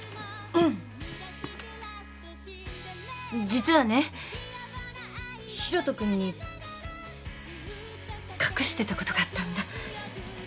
実はね広斗君に隠してたことがあったんだ。